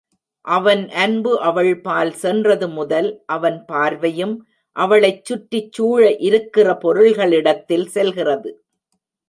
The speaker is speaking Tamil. அவன் அன்பு அவள்பால் சென்றது முதல் அவன் பார்வையும் அவளைச் சுற்றிச் சூழ இருக்கிற பொருள்களிடத்தில் செல்கிறது.